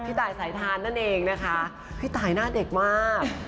ตายสายทานนั่นเองนะคะพี่ตายหน้าเด็กมาก